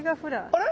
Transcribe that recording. あれ？